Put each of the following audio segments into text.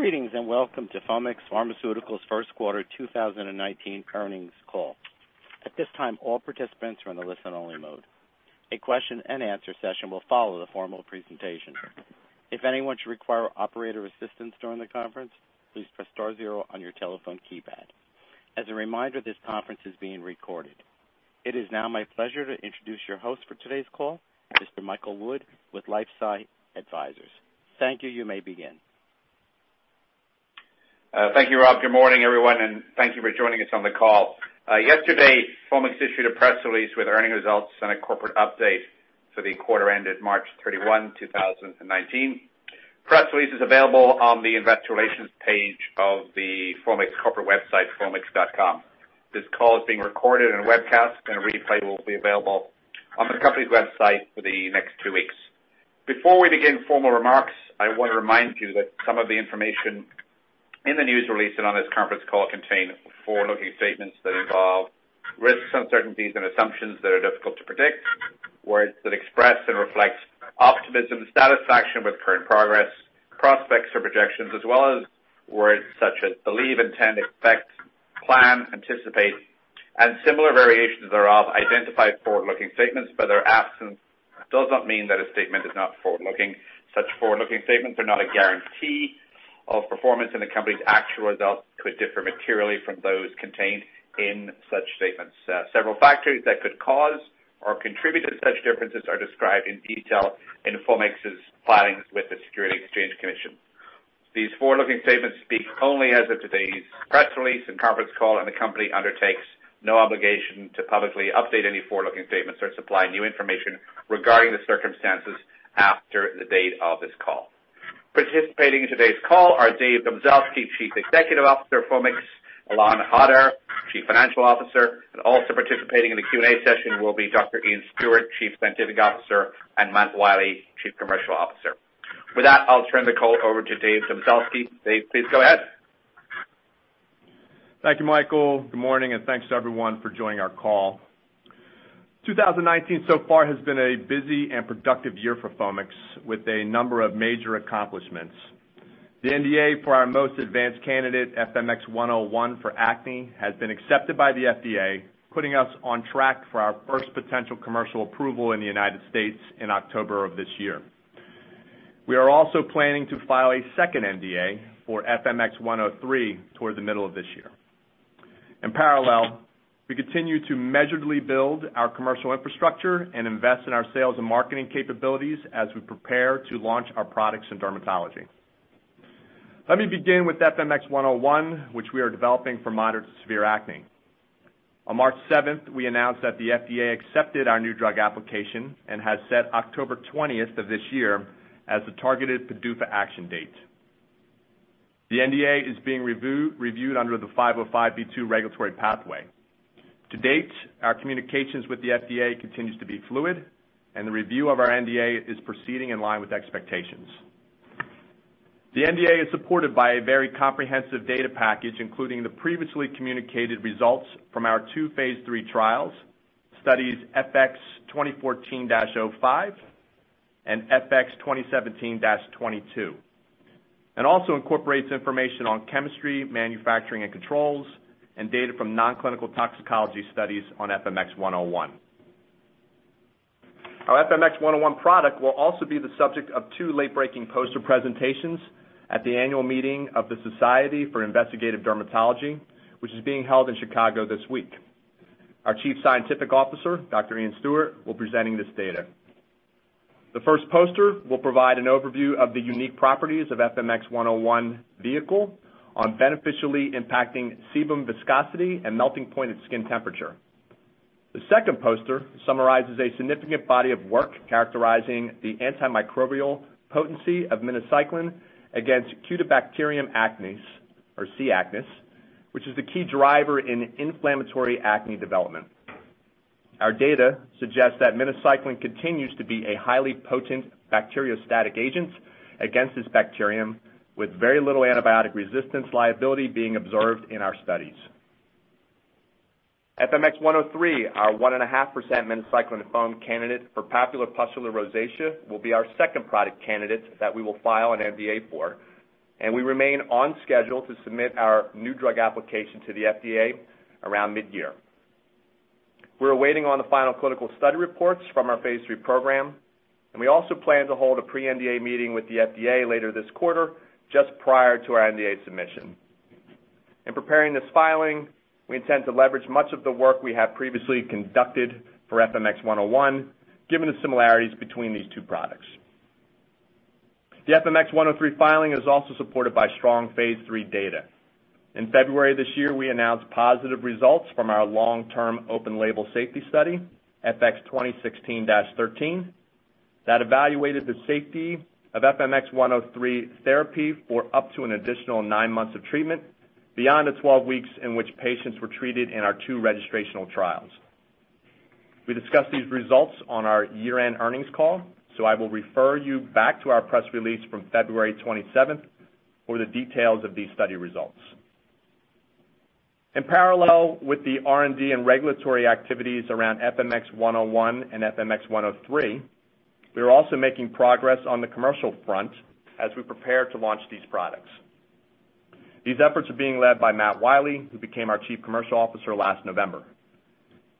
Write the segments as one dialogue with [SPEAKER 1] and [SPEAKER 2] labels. [SPEAKER 1] Greetings and welcome to Foamix Pharmaceuticals' first quarter 2019 earnings call. At this time, all participants are in a listen-only mode. A question and answer session will follow the formal presentation. If anyone should require operator assistance during the conference, please press star zero on your telephone keypad. As a reminder, this conference is being recorded. It is now my pleasure to introduce your host for today's call, Mr. Michael Wood with LifeSci Advisors. Thank you. You may begin.
[SPEAKER 2] Thank you, Rob. Good morning, everyone, and thank you for joining us on the call. Yesterday, Foamix issued a press release with earning results and a corporate update for the quarter ended March 31, 2019. Press release is available on the investor relations page of the Foamix corporate website, foamix.com. This call is being recorded and webcast, and a replay will be available on the company's website for the next two weeks. Before we begin formal remarks, I want to remind you that some of the information in the news release and on this conference call contain forward-looking statements that involve risks, uncertainties, and assumptions that are difficult to predict, words that express and reflect optimism, satisfaction with current progress, prospects for projections, as well as words such as believe, intend, expect, plan, anticipate, and similar variations thereof identify forward-looking statements, but their absence does not mean that a statement is not forward-looking. Such forward-looking statements are not a guarantee of performance, and the company's actual results could differ materially from those contained in such statements. Several factors that could cause or contribute to such differences are described in detail in Foamix's filings with the Securities Exchange Commission. These forward-looking statements speak only as of today's press release and conference call. The company undertakes no obligation to publicly update any forward-looking statements or supply new information regarding the circumstances after the date of this call. Participating in today's call are Dave Domzalski, Chief Executive Officer of Foamix, Ilan Hadar, Chief Financial Officer, and also participating in the Q&A session will be Dr. Iain Stuart, Chief Scientific Officer, and Matt Wiley, Chief Commercial Officer. With that, I'll turn the call over to Dave Domzalski. Dave, please go ahead.
[SPEAKER 3] Thank you, Michael. Good morning, thanks to everyone for joining our call. 2019 so far has been a busy and productive year for Foamix, with a number of major accomplishments. The NDA for our most advanced candidate, FMX101 for acne, has been accepted by the FDA, putting us on track for our first potential commercial approval in the U.S. in October of this year. We are also planning to file a second NDA for FMX103 toward the middle of this year. We continue to measuredly build our commercial infrastructure and invest in our sales and marketing capabilities as we prepare to launch our products in dermatology. Let me begin with FMX101, which we are developing for moderate to severe acne. On March 7th, we announced that the FDA accepted our new drug application and has set October 20th of this year as the targeted PDUFA action date. The NDA is being reviewed under the 505(b)(2) regulatory pathway. To date, our communications with the FDA continues to be fluid. The review of our NDA is proceeding in line with expectations. The NDA is supported by a very comprehensive data package, including the previously communicated results from our two phase III trials, studies FX2014-05 and FX2017-22. It also incorporates information on chemistry, manufacturing, and controls, and data from nonclinical toxicology studies on FMX101. Our FMX101 product will also be the subject of two late-breaking poster presentations at the annual meeting of the Society for Investigative Dermatology, which is being held in Chicago this week. Our Chief Scientific Officer, Dr. Iain Stuart, will be presenting this data. The first poster will provide an overview of the unique properties of FMX101 vehicle on beneficially impacting sebum viscosity and melting point at skin temperature. The second poster summarizes a significant body of work characterizing the antimicrobial potency of minocycline against Cutibacterium acnes or C. acnes, which is the key driver in inflammatory acne development. Our data suggests that minocycline continues to be a highly potent bacteriostatic agent against this bacterium, with very little antibiotic resistance liability being observed in our studies. FMX103, our 1.5% minocycline foam candidate for papulopustular rosacea, will be our second product candidate that we will file an NDA for. We remain on schedule to submit our new drug application to the FDA around mid-year. We're waiting on the final clinical study reports from our phase III program. We also plan to hold a pre-NDA meeting with the FDA later this quarter, just prior to our NDA submission. We intend to leverage much of the work we have previously conducted for FMX101, given the similarities between these two products. The FMX103 filing is also supported by strong phase III data. In February this year, we announced positive results from our long-term open label safety study, FX2016-13, that evaluated the safety of FMX103 therapy for up to an additional nine months of treatment beyond the 12 weeks in which patients were treated in our two registrational trials. We discussed these results on our year-end earnings call. I will refer you back to our press release from February 27th for the details of these study results. In parallel with the R&D and regulatory activities around FMX101 and FMX103, we are also making progress on the commercial front as we prepare to launch these products. These efforts are being led by Matt Wiley, who became our Chief Commercial Officer last November.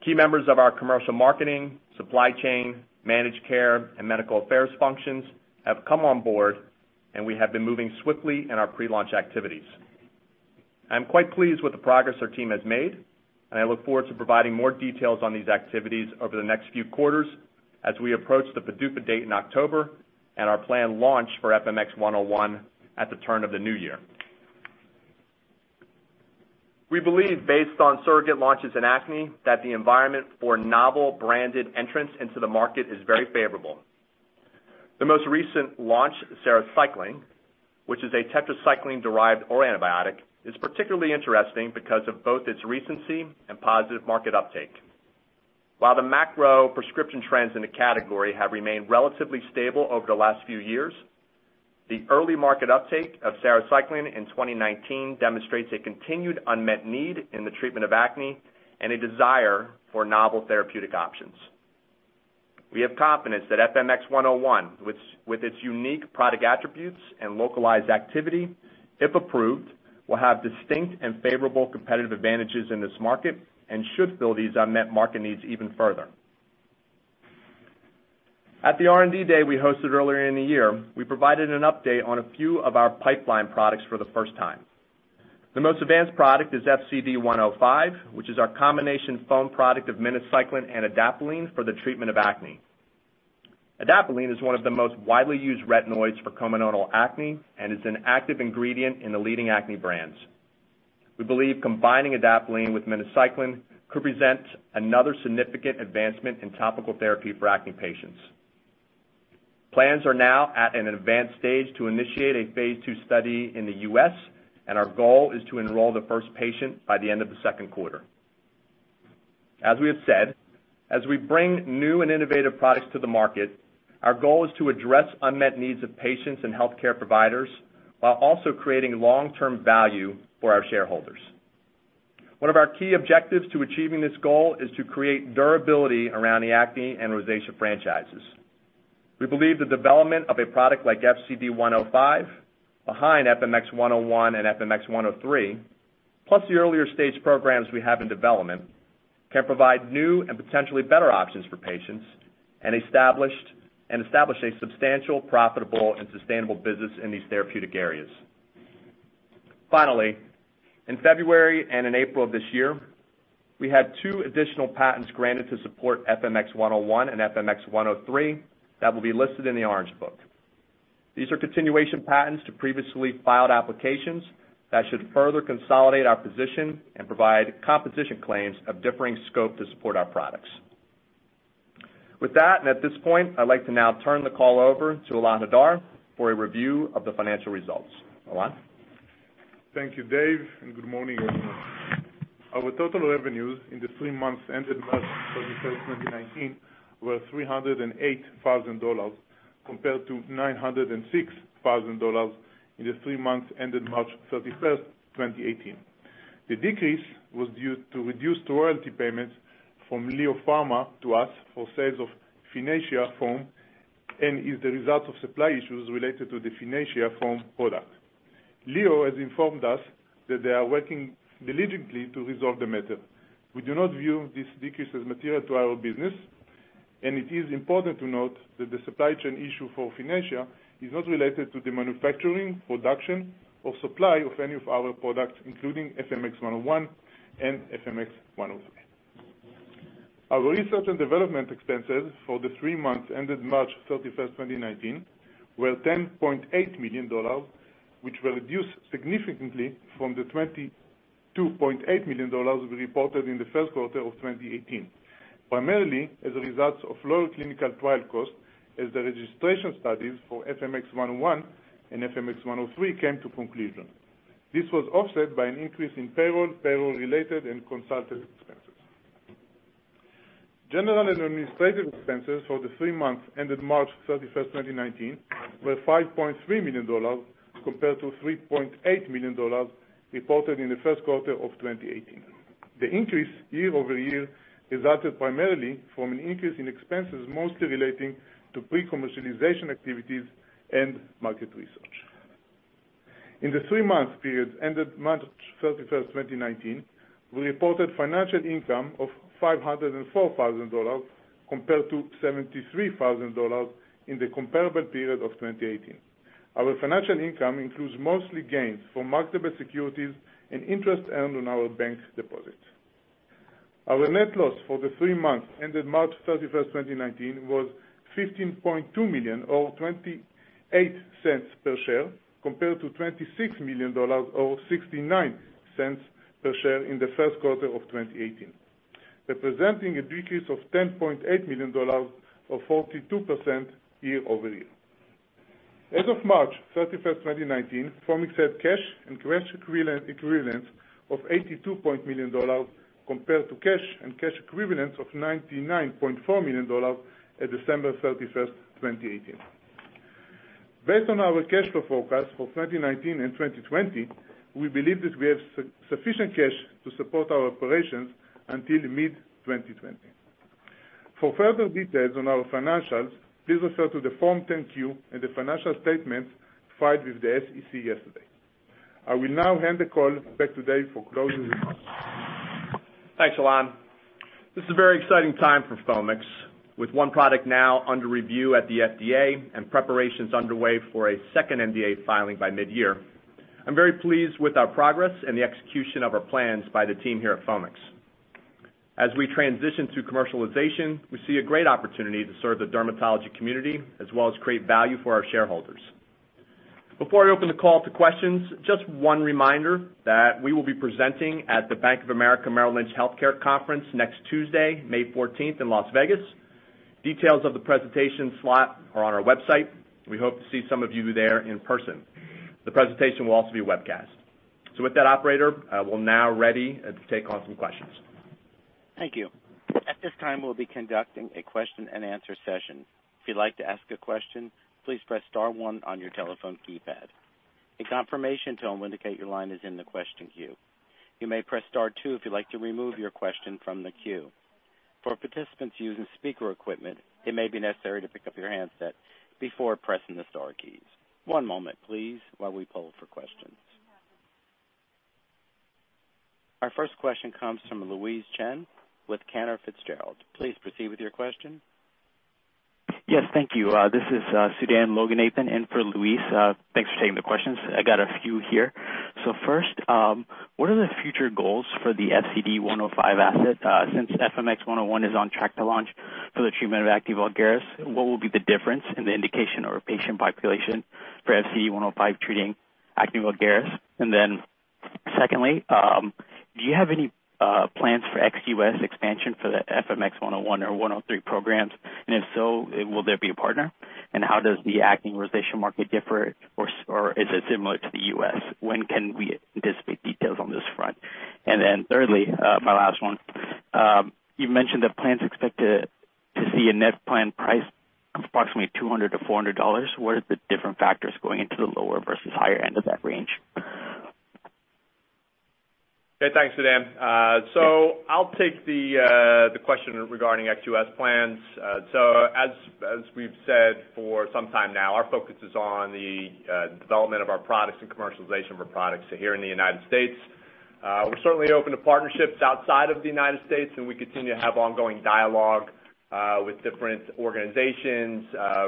[SPEAKER 3] Key members of our commercial marketing, supply chain, managed care, and medical affairs functions have come on board, and we have been moving swiftly in our pre-launch activities. I'm quite pleased with the progress our team has made, and I look forward to providing more details on these activities over the next few quarters as we approach the PDUFA date in October and our planned launch for FMX101 at the turn of the new year. We believe, based on surrogate launches in acne, that the environment for novel branded entrants into the market is very favorable. The most recent launch, sarecycline, which is a tetracycline-derived oral antibiotic, is particularly interesting because of both its recency and positive market uptake. While the macro prescription trends in the category have remained relatively stable over the last few years, the early market uptake of sarecycline in 2019 demonstrates a continued unmet need in the treatment of acne and a desire for novel therapeutic options. We have confidence that FMX101, with its unique product attributes and localized activity, if approved, will have distinct and favorable competitive advantages in this market and should fill these unmet market needs even further. At the R&D day we hosted earlier in the year, we provided an update on a few of our pipeline products for the first time. The most advanced product is FCD105, which is our combination foam product of minocycline and adapalene for the treatment of acne. Adapalene is one of the most widely used retinoids for comedonal acne and is an active ingredient in the leading acne brands. We believe combining adapalene with minocycline could present another significant advancement in topical therapy for acne patients. Plans are now at an advanced stage to initiate a phase II study in the U.S., and our goal is to enroll the first patient by the end of the second quarter. As we have said, as we bring new and innovative products to the market, our goal is to address unmet needs of patients and healthcare providers while also creating long-term value for our shareholders. One of our key objectives to achieving this goal is to create durability around the acne and rosacea franchises. We believe the development of a product like FCD105 behind FMX101 and FMX103, plus the earlier-stage programs we have in development, can provide new and potentially better options for patients and establish a substantial, profitable, and sustainable business in these therapeutic areas. Finally, in February and in April of this year, we had two additional patents granted to support FMX101 and FMX103 that will be listed in the Orange Book. These are continuation patents to previously filed applications that should further consolidate our position and provide composition claims of differing scope to support our products. With that, at this point, I'd like to now turn the call over to Ilon Hadar for a review of the financial results. Ilon?
[SPEAKER 4] Thank you, Dave, and good morning, everyone. Our total revenues in the three months ended March 31st, 2019, were $308,000 compared to $906,000 in the three months ended March 31st, 2018. The decrease was due to reduced royalty payments from LEO Pharma to us for sales of Finacea Foam and is the result of supply issues related to the Finacea Foam product. LEO has informed us that they are working diligently to resolve the matter. We do not view this decrease as material to our business, and it is important to note that the supply chain issue for Finacea is not related to the manufacturing, production, or supply of any of our products, including FMX101 and FMX103. Our research and development expenses for the three months ended March 31st, 2019, were $10.8 million, which were reduced significantly from the $22.8 million we reported in the first quarter of 2018, primarily as a result of lower clinical trial costs as the registration studies for FMX101 and FMX103 came to conclusion. This was offset by an increase in payroll-related, and consultant expenses. General and administrative expenses for the three months ended March 31st, 2019, were $5.3 million compared to $3.8 million reported in the first quarter of 2018. The increase year-over-year resulted primarily from an increase in expenses mostly relating to pre-commercialization activities and market research. In the three-month period ended March 31st, 2019, we reported financial income of $504,000 compared to $73,000 in the comparable period of 2018. Our financial income includes mostly gains from marketable securities and interest earned on our bank deposits. Our net loss for the three months ended March 31st, 2019, was $15.2 million, or $0.28 per share, compared to $26 million, or $0.69 per share in the first quarter of 2018, representing a decrease of $10.8 million, or 42% year-over-year. As of March 31st, 2019, Foamix had cash and cash equivalents of $82.4 million compared to cash and cash equivalents of $99.4 million at December 31st, 2018. Based on our cash flow forecast for 2019 and 2020, we believe that we have sufficient cash to support our operations until mid-2020. For further details on our financials, please refer to the Form 10-Q and the financial statements filed with the SEC yesterday. I will now hand the call back to Dave for closing remarks.
[SPEAKER 3] Thanks, Ilan. This is a very exciting time for Foamix. With one product now under review at the FDA and preparations underway for a second NDA filing by mid-year. I am very pleased with our progress and the execution of our plans by the team here at Foamix. As we transition to commercialization, we see a great opportunity to serve the dermatology community as well as create value for our shareholders. Before I open the call to questions, just one reminder that we will be presenting at the Bank of America Merrill Lynch Health Care Conference next Tuesday, May 14th, in Las Vegas. Details of the presentation slot are on our website. We hope to see some of you there in person. The presentation will also be webcast. With that operator, I will now ready to take on some questions.
[SPEAKER 1] Thank you. At this time, we'll be conducting a question and answer session. If you'd like to ask a question, please press star one on your telephone keypad. A confirmation tone will indicate your line is in the question queue. You may press star two if you'd like to remove your question from the queue. For participants using speaker equipment, it may be necessary to pick up your handset before pressing the star keys. One moment, please, while we poll for questions. Our first question comes from Louise Chen with Cantor Fitzgerald. Please proceed with your question.
[SPEAKER 5] Yes, thank you. This is Sujal Loganathan in for Louise. Thanks for taking the questions. I got a few here. First, what are the future goals for the FCD105 asset? Since FMX101 is on track to launch for the treatment of acne vulgaris, what will be the difference in the indication or patient population for FCD105 treating acne vulgaris? Secondly, do you have any plans for ex-U.S. expansion for the FMX101 or 103 programs? If so, will there be a partner? How does the acne rosacea market differ or is it similar to the U.S.? When can we anticipate details on this front? Thirdly, my last one, you mentioned that plans expect to see a net plan price of approximately $200-$400. What are the different factors going into the lower versus higher end of that range?
[SPEAKER 3] Okay, thanks, Sujal. I'll take the question regarding ex-U.S. plans. As we've said for some time now, our focus is on the development of our products and commercialization of our products here in the United States. We're certainly open to partnerships outside of the United States, and we continue to have ongoing dialogue with different organizations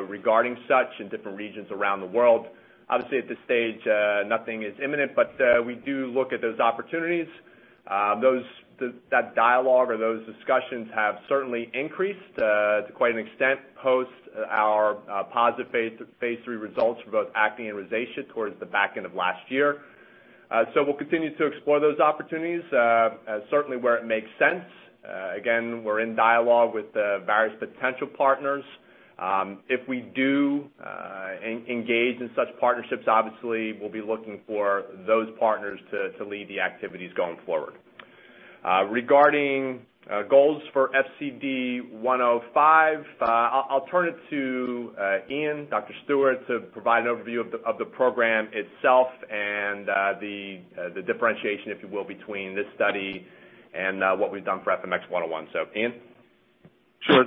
[SPEAKER 3] regarding such in different regions around the world. Obviously, at this stage, nothing is imminent, but we do look at those opportunities. That dialogue or those discussions have certainly increased to quite an extent post our positive phase III results for both acne and rosacea towards the back end of last year. We'll continue to explore those opportunities, certainly where it makes sense. Again, we're in dialogue with various potential partners. If we do engage in such partnerships, obviously we'll be looking for those partners to lead the activities going forward. Regarding goals for FCD105, I'll turn it to Iain, Dr. Stuart, to provide an overview of the program itself and the differentiation, if you will, between this study and what we've done for FMX101. Iain?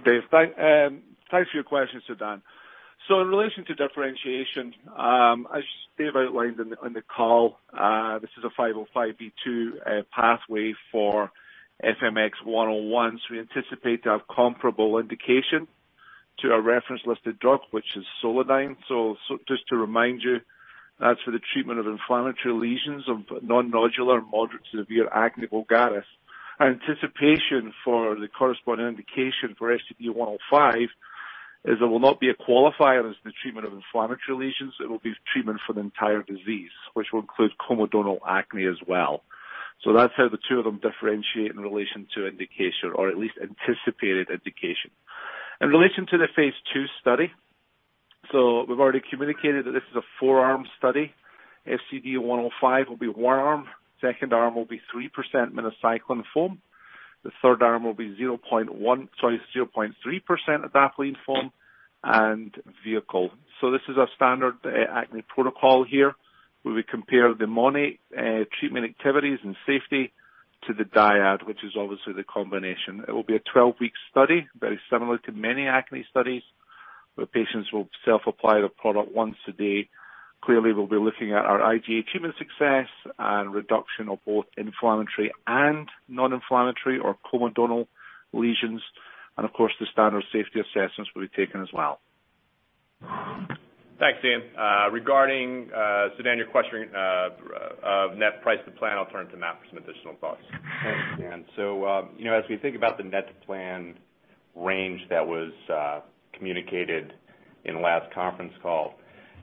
[SPEAKER 6] Dave. Thanks for your question, Sujal. In relation to differentiation, as Dave outlined on the call, this is a 505(b)(2) pathway for FMX101. We anticipate to have comparable indication to our reference-listed drug, which is Solodyn. Just to remind you, that's for the treatment of inflammatory lesions of non-nodular, moderate to severe acne vulgaris. Anticipation for the corresponding indication for FCD105 is there will not be a qualifier as the treatment of inflammatory lesions. It will be treatment for the entire disease, which will include comedonal acne as well. That's how the two of them differentiate in relation to indication or at least anticipated indication. In relation to the phase II study, we've already communicated that this is a four-arm study. FCD105 will be one arm, second arm will be 3% minocycline foam. The third arm will be 0.3% adapalene foam and vehicle. This is a standard acne protocol here, where we compare the mono treatment activities and safety to the dyad, which is obviously the combination. It will be a 12-week study, very similar to many acne studies, where patients will self-apply the product once a day. Clearly, we'll be looking at our IGA treatment success and reduction of both inflammatory and non-inflammatory or comedonal lesions. Of course, the standard safety assessments will be taken as well.
[SPEAKER 3] Thanks, Iain. Regarding, Sujal, your question of net price to plan, I'll turn to Matt for some additional thoughts.
[SPEAKER 7] Thanks, Iain. As we think about the net to plan range that was communicated in the last conference call,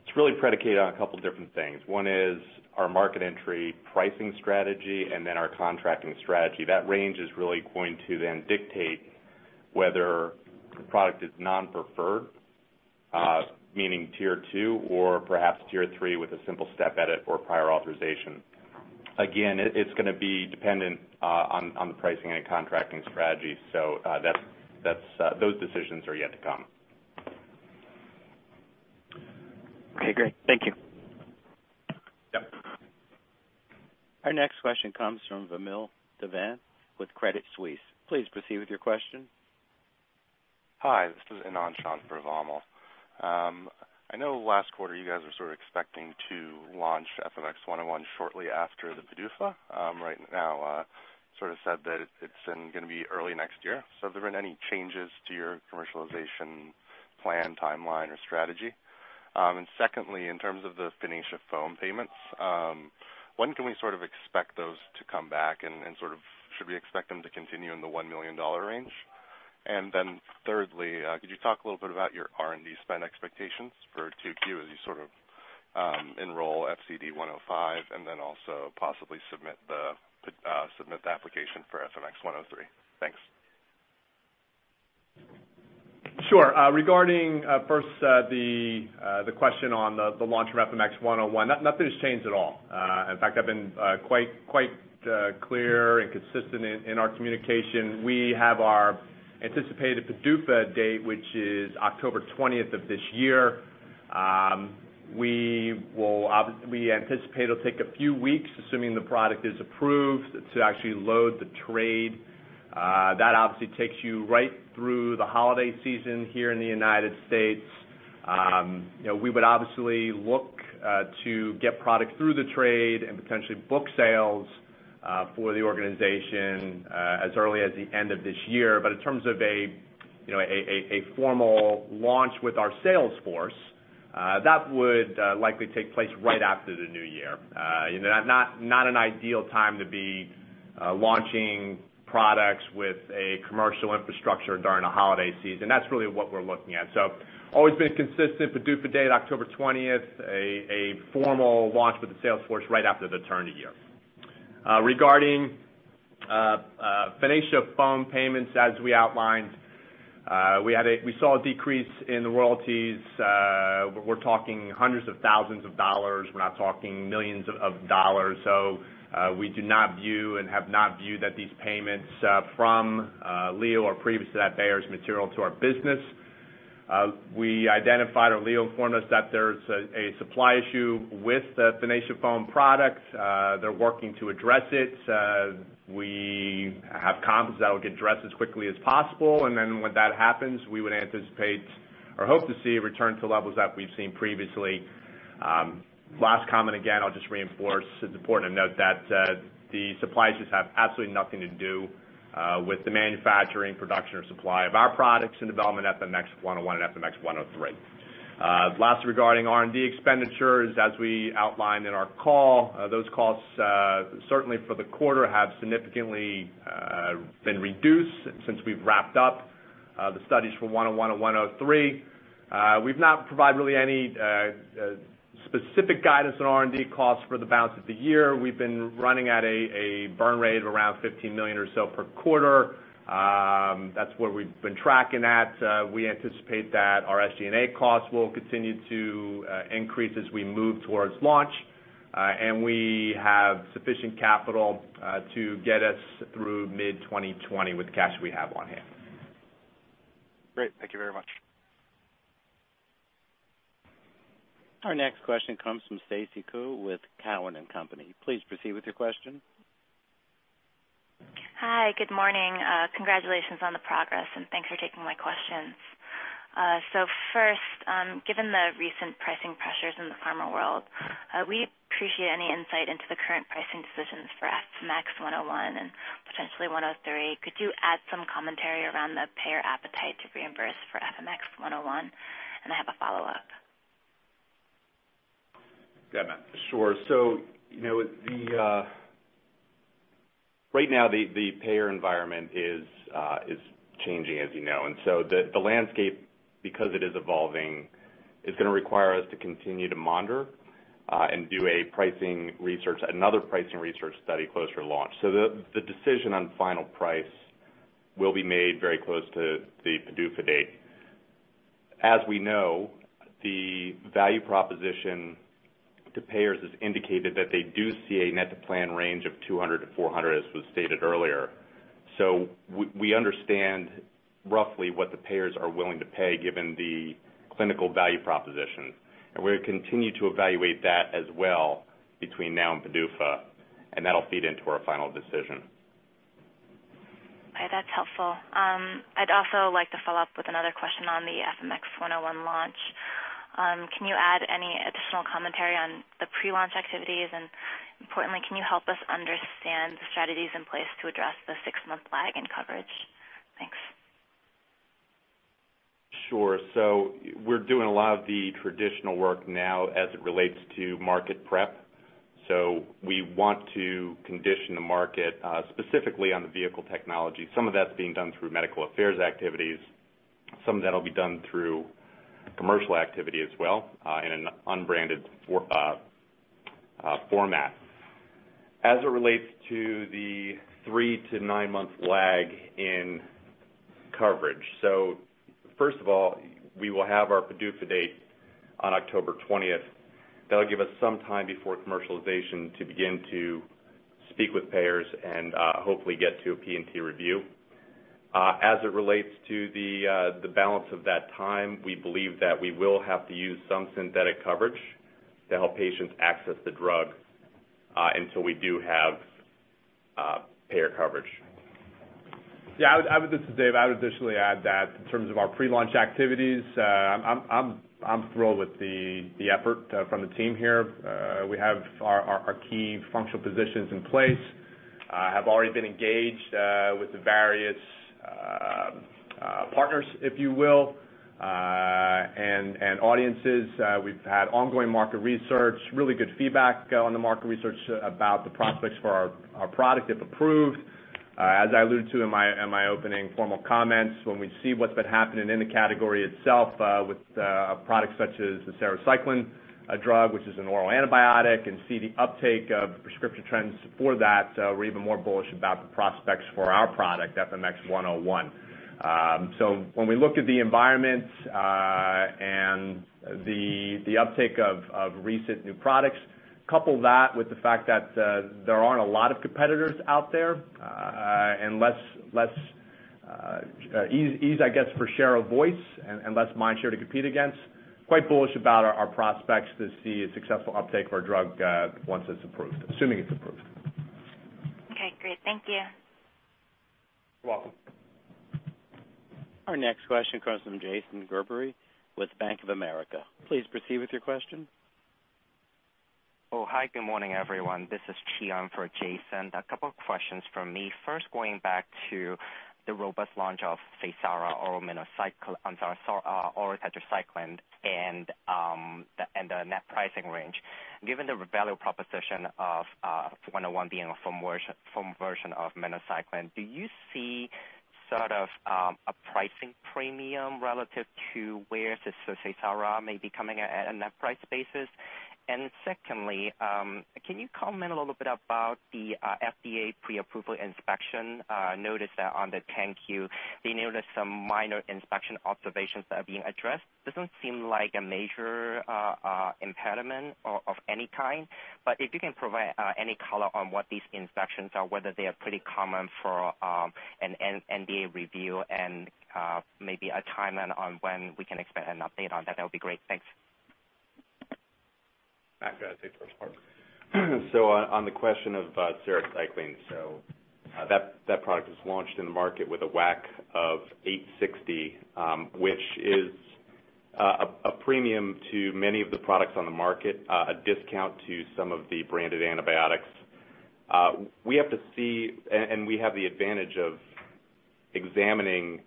[SPEAKER 7] it's really predicated on a couple different things. One is our market entry pricing strategy, our contracting strategy. That range is really going to dictate whether the product is non-preferred, meaning tier 2 or perhaps tier 3 with a simple step edit or prior authorization.
[SPEAKER 3] It's going to be dependent on the pricing and contracting strategy. Those decisions are yet to come.
[SPEAKER 5] Great. Thank you.
[SPEAKER 3] Yep.
[SPEAKER 1] Our next question comes from Vamil Divan with Credit Suisse. Please proceed with your question.
[SPEAKER 8] Hi, this is Anupam Rama for Vamil. I know last quarter you guys were sort of expecting to launch FMX101 shortly after the PDUFA. Right now, sort of said that it's then going to be early next year. Have there been any changes to your commercialization plan, timeline, or strategy? Secondly, in terms of the Finacea Foam payments, when can we sort of expect those to come back and should we expect them to continue in the $1 million range? Thirdly, could you talk a little bit about your R&D spend expectations for 2Q as you sort of enroll FCD105 and also possibly submit the application for FMX103? Thanks.
[SPEAKER 3] Sure. Regarding first the question on the launch of FMX101, nothing has changed at all. In fact, I have been quite clear and consistent in our communication. We have our anticipated PDUFA date, which is October 20th of this year. We anticipate it will take a few weeks, assuming the product is approved, to actually load the trade. That obviously takes you right through the holiday season here in the U.S. We would obviously look to get product through the trade and potentially book sales for the organization as early as the end of this year, but in terms of a formal launch with our sales force, that would likely take place right after the new year. Not an ideal time to be launching products with a commercial infrastructure during the holiday season. That is really what we are looking at. Always been consistent. PDUFA date, October 20th. A formal launch with the sales force right after the turn of year. Regarding Finacea Foam payments, as we outlined, we saw a decrease in the royalties. We are talking hundreds of thousands of dollars. We are not talking millions of dollars. We do not view and have not viewed that these payments from LEO Pharma or previous to that, Bayer's material to our business. We identified or LEO Pharma informed us that there is a supply issue with the Finacea Foam product. They are working to address it. We have confidence that will get addressed as quickly as possible. When that happens, we would anticipate or hope to see a return to levels that we have seen previously. Last comment, again, I will just reinforce, it is important to note that the supply issues have absolutely nothing to do with the manufacturing, production, or supply of our products in development, FMX101 and FMX103. Last, regarding R&D expenditures, as we outlined in our call, those costs certainly for the quarter have significantly been reduced since we have wrapped up the studies for 101 and 103. We have not provided really any specific guidance on R&D costs for the balance of the year. We have been running at a burn rate of around $15 million or so per quarter. That is where we have been tracking at. We anticipate that our SG&A costs will continue to increase as we move towards launch. We have sufficient capital to get us through mid-2020 with the cash we have on hand.
[SPEAKER 8] Great. Thank you very much.
[SPEAKER 1] Our next question comes from Stacy Ku with Cowen and Company. Please proceed with your question.
[SPEAKER 9] Hi. Good morning. Congratulations on the progress and thanks for taking my questions. First, given the recent pricing pressures in the pharma world, we'd appreciate any insight into the current pricing decisions for FMX101 and potentially 103. Could you add some commentary around the payer appetite to reimburse for FMX101? I have a follow-up.
[SPEAKER 3] Yeah, sure. Right now the payer environment is changing, as you know. The landscape, because it is evolving, is going to require us to continue to monitor and do another pricing research study closer to launch. The decision on final price will be made very close to the PDUFA date. As we know, the value proposition to payers has indicated that they do see a net to plan range of $200-$400, as was stated earlier. We understand roughly what the payers are willing to pay, given the clinical value proposition. We're going to continue to evaluate that as well between now and PDUFA, and that'll feed into our final decision.
[SPEAKER 9] Okay, that's helpful. I'd also like to follow up with another question on the FMX101 launch. Can you add any additional commentary on the pre-launch activities? Importantly, can you help us understand the strategies in place to address the six-month lag in coverage? Thanks.
[SPEAKER 3] Sure. We're doing a lot of the traditional work now as it relates to market prep. We want to condition the market specifically on the vehicle technology. Some of that's being done through medical affairs activities. Some of that will be done through commercial activity as well in an unbranded format. As it relates to the 3-9 month lag in
[SPEAKER 7] Coverage. First of all, we will have our PDUFA date on October 20th. That'll give us some time before commercialization to begin to speak with payers and hopefully get to a P&T review. As it relates to the balance of that time, we believe that we will have to use some synthetic coverage to help patients access the drug until we do have payer coverage.
[SPEAKER 3] Yeah, this is Dave. I would additionally add that in terms of our pre-launch activities, I'm thrilled with the effort from the team here. We have our key functional positions in place, have already been engaged with the various partners, if you will, and audiences. We've had ongoing market research, really good feedback on the market research about the prospects for our product, if approved. As I alluded to in my opening formal comments, when we see what's been happening in the category itself with a product such as the sarecycline drug, which is an oral antibiotic, and see the uptake of prescription trends for that, we're even more bullish about the prospects for our product, FMX101. When we look at the environment and the uptake of recent new products, couple that with the fact that there aren't a lot of competitors out there, and ease, I guess, for share of voice and less mind share to compete against, quite bullish about our prospects to see a successful uptake of our drug once it's approved, assuming it's approved.
[SPEAKER 9] Okay, great. Thank you.
[SPEAKER 3] You're welcome.
[SPEAKER 1] Our next question comes from Jason Gerberry with Bank of America. Please proceed with your question.
[SPEAKER 10] Hi, good morning, everyone. This is Chion for Jason. A couple of questions from me. First, going back to the robust launch of SEYSARA oral tetracycline and the net pricing range. Given the value proposition of 101 being a foam version of minocycline, do you see sort of a pricing premium relative to where SEYSARA may be coming at a net price basis? Secondly, can you comment a little bit about the FDA pre-approval inspection notice on the 10-Q? They noticed some minor inspection observations that are being addressed. Doesn't seem like a major impediment of any kind. If you can provide any color on what these inspections are, whether they are pretty common for an NDA review and maybe a timeline on when we can expect an update on that would be great. Thanks.
[SPEAKER 7] Matt, go ahead, take the first part. On the question of sarecycline, that product was launched in the market with a WAC of $860, which is a premium to many of the products on the market, a discount to some of the branded antibiotics. We have to see, and we have the advantage of examining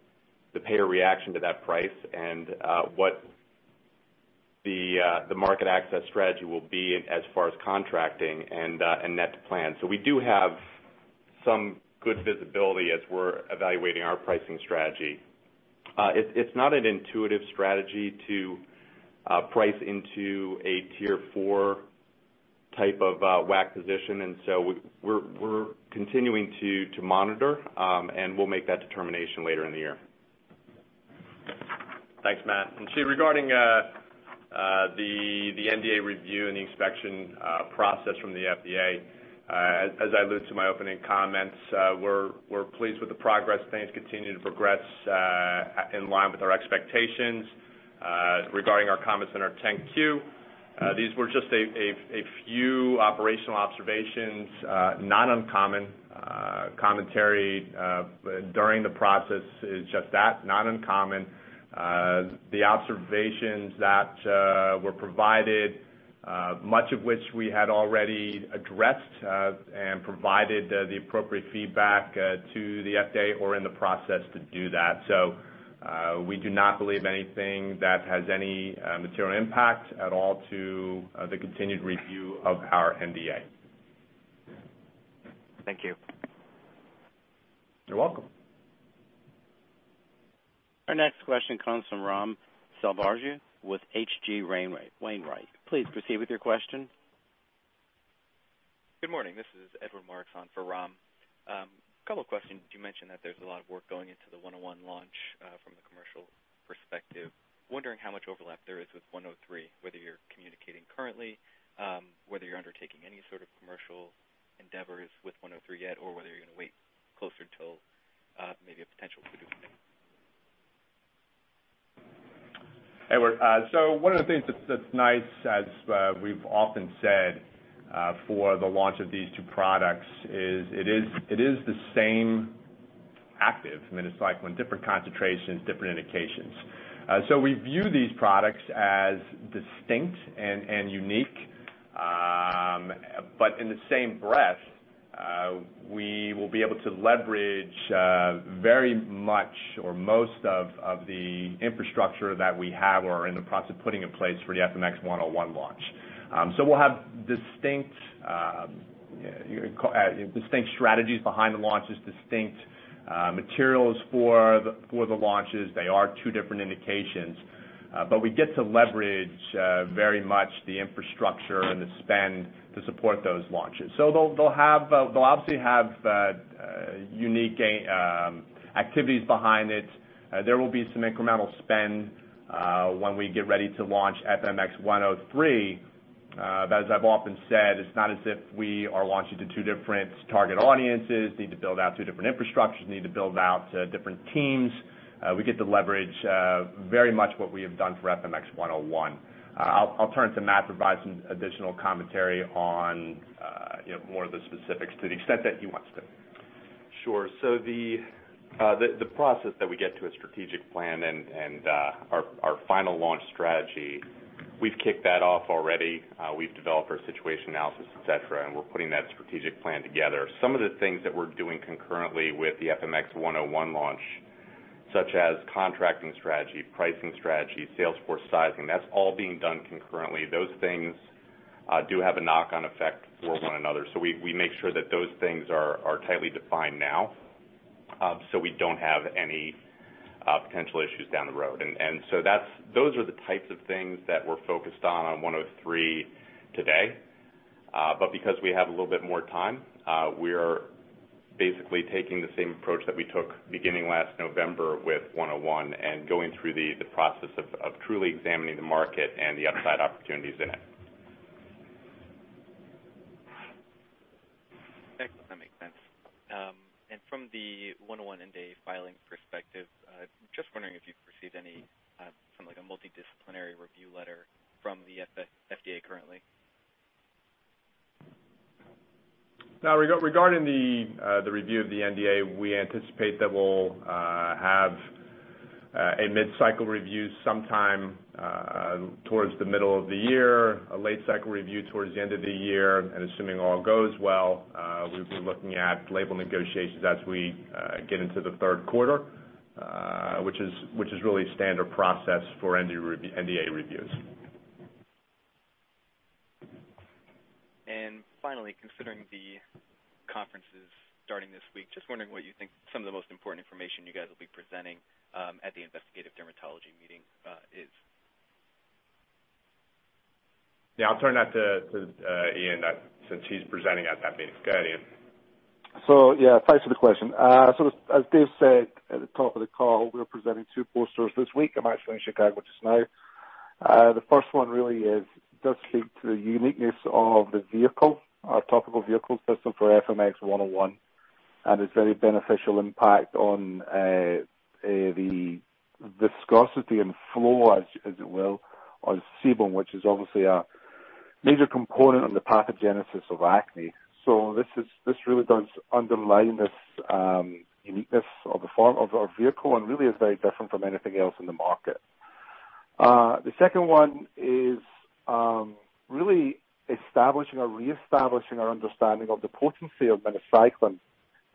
[SPEAKER 7] the payer reaction to that price and what the market access strategy will be as far as contracting and net plan. We do have some good visibility as we're evaluating our pricing strategy. It's not an intuitive strategy to price into a tier 4 type of WAC position. We're continuing to monitor, and we'll make that determination later in the year.
[SPEAKER 3] Thanks, Matt. Chion, regarding the NDA review and the inspection process from the FDA, as I alluded to in my opening comments, we're pleased with the progress. Things continue to progress in line with our expectations. Regarding our comments in our 10-Q, these were just a few operational observations, not uncommon commentary during the process. It's just that, not uncommon. The observations that were provided, much of which we had already addressed and provided the appropriate feedback to the FDA or are in the process to do that. We do not believe anything that has any material impact at all to the continued review of our NDA.
[SPEAKER 10] Thank you.
[SPEAKER 3] You're welcome.
[SPEAKER 1] Our next question comes from Ram Selvaraju with H.C. Wainwright. Please proceed with your question.
[SPEAKER 11] Good morning. This is Edward Marks on for Ram. Couple of questions. You mentioned that there's a lot of work going into the FMX101 launch from the commercial perspective. Wondering how much overlap there is with FMX103, whether you're communicating currently, whether you're undertaking any sort of commercial endeavors with FMX103 yet, or whether you're going to wait closer till maybe a potential PDUFA date.
[SPEAKER 3] Edward, one of the things that's nice, as we've often said for the launch of these two products is it is the same active minocycline, different concentrations, different indications. We view these products as distinct and unique. In the same breath, we will be able to leverage very much or most of the infrastructure that we have or are in the process of putting in place for the FMX101 launch. We'll have distinct strategies behind the launches, distinct materials for the launches. They are two different indications. We get to leverage very much the infrastructure and the spend to support those launches. They'll obviously have unique activities behind it. There will be some incremental spend when we get ready to launch FMX103. As I've often said, it's not as if we are launching to two different target audiences, need to build out two different infrastructures, need to build out different teams. We get to leverage very much what we have done for FMX101. I'll turn to Matt to provide some additional commentary on more of the specifics to the extent that he wants to.
[SPEAKER 7] The process that we get to a strategic plan and our final launch strategy, we've kicked that off already. We've developed our situation analysis, et cetera, and we're putting that strategic plan together. Some of the things that we're doing concurrently with the FMX101 launch, such as contracting strategy, pricing strategy, sales force sizing, that's all being done concurrently. Those things do have a knock-on effect for one another. We make sure that those things are tightly defined now, so we don't have any potential issues down the road. Those are the types of things that we're focused on 103 today. Because we have a little bit more time, we are basically taking the same approach that we took beginning last November with 101 and going through the process of truly examining the market and the upside opportunities in it.
[SPEAKER 11] That makes sense. From the 101 and the filing perspective, just wondering if you've received any, from like a multidisciplinary review letter from the FDA currently.
[SPEAKER 3] Regarding the review of the NDA, we anticipate that we'll have a mid-cycle review sometime towards the middle of the year. A late cycle review towards the end of the year. Assuming all goes well, we'll be looking at label negotiations as we get into the third quarter, which is really standard process for NDA reviews.
[SPEAKER 11] Finally, considering the conferences starting this week, just wondering what you think some of the most important information you guys will be presenting at the investigative dermatology meeting is.
[SPEAKER 3] Yeah, I'll turn that to Iain since he's presenting at that meeting. Go ahead, Iain.
[SPEAKER 6] Yeah, thanks for the question. As David said at the top of the call, we're presenting two posters this week. I'm actually in Chicago just now. The first one really does speak to the uniqueness of the vehicle, our topical vehicle system for FMX101, and its very beneficial impact on the viscosity and flow, as it will, on sebum, which is obviously a major component of the pathogenesis of acne. This really does underline this uniqueness of our vehicle and really is very different from anything else in the market. The second one is really establishing or reestablishing our understanding of the potency of minocycline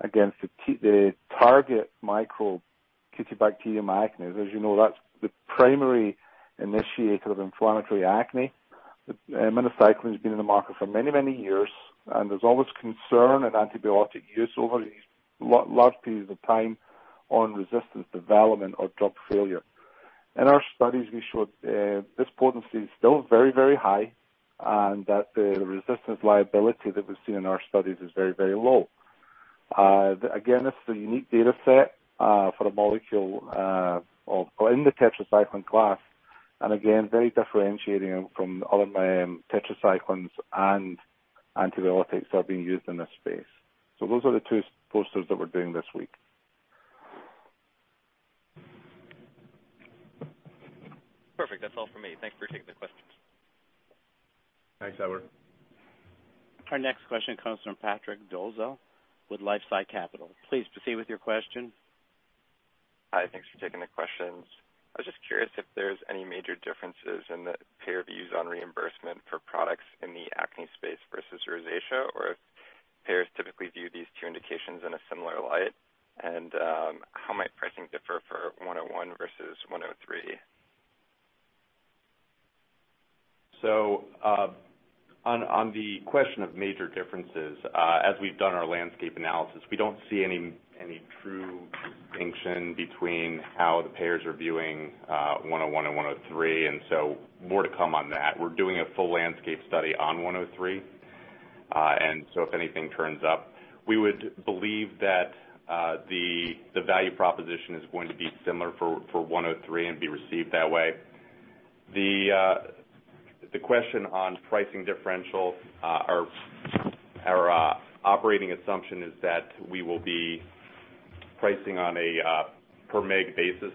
[SPEAKER 6] against the target microbe Cutibacterium acnes. As you know, that's the primary initiator of inflammatory acne. Minocycline has been in the market for many, many years, and there's always concern in antibiotic use over these large periods of time on resistance development or drug failure. In our studies, we showed this potency is still very, very high and that the resistance liability that we've seen in our studies is very, very low. Again, this is a unique data set for the molecule in the tetracycline class, and again, very differentiating from other tetracyclines and antibiotics that are being used in this space. Those are the two posters that we're doing this week.
[SPEAKER 11] Perfect. That's all for me. Thanks for taking the questions.
[SPEAKER 3] Thanks, Edward.
[SPEAKER 1] Our next question comes from Patrick Dolezal with LifeSci Capital. Please proceed with your question.
[SPEAKER 12] Hi, thanks for taking the questions. I was just curious if there's any major differences in the payer views on reimbursement for products in the acne space versus rosacea, or if payers typically view these two indications in a similar light, and how might pricing differ for 101 versus 103?
[SPEAKER 7] On the question of major differences, as we've done our landscape analysis, we don't see any true distinction between how the payers are viewing 101 and 103. More to come on that. We're doing a full landscape study on 103. If anything turns up, we would believe that the value proposition is going to be similar for 103 and be received that way. The question on pricing differential, our operating assumption is that we will be pricing on a per mg basis,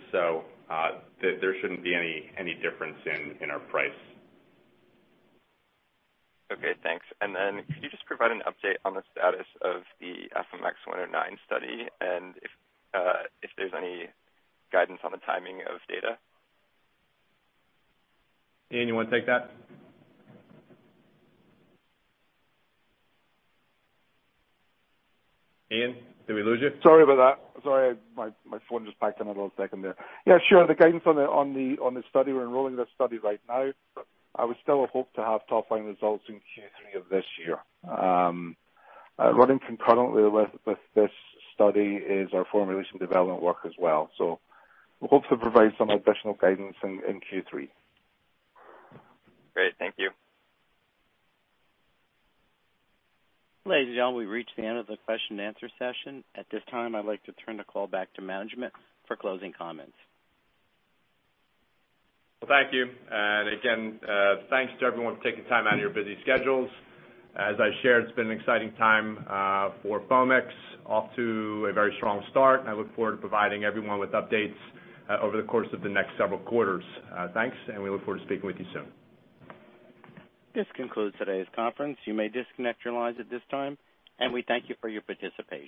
[SPEAKER 7] there shouldn't be any difference in our price.
[SPEAKER 12] Okay, thanks. Could you just provide an update on the status of the FMX109 study and if there's any guidance on the timing of data?
[SPEAKER 3] Iain, you want to take that? Iain, did we lose you?
[SPEAKER 6] Sorry about that. Sorry, my phone just packed in on a little second there. Yeah, sure. The guidance on the study, we're enrolling the study right now. I would still hope to have top-line results in Q3 of this year. Running concurrently with this study is our formulation development work as well. We hope to provide some additional guidance in Q3.
[SPEAKER 12] Great. Thank you.
[SPEAKER 1] Ladies and gentlemen, we've reached the end of the question and answer session. At this time, I'd like to turn the call back to management for closing comments.
[SPEAKER 3] Well, thank you. Again, thanks to everyone for taking time out of your busy schedules. As I shared, it's been an exciting time for Foamix, off to a very strong start and I look forward to providing everyone with updates over the course of the next several quarters. Thanks. We look forward to speaking with you soon.
[SPEAKER 1] This concludes today's conference. You may disconnect your lines at this time. We thank you for your participation.